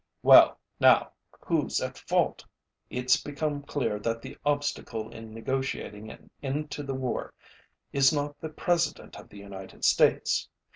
Well, now, whoÆs at fault? ItÆs become clear that the obstacle in negotiating an end to the war is not the President of the United States.